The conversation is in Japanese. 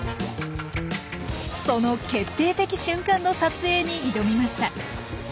その決定的瞬間の撮影に挑みました。